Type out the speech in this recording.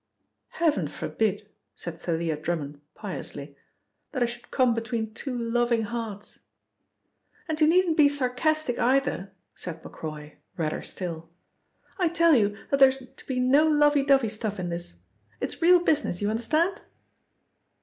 "Heaven forbid," said Thalia Drummond piously, "that I should come between two loving hearts." "And you needn't be sarcastic either," said Macroy, redder still. "I tell you that there's to be no lovey dovey stuff in this. It's real business, you understand?"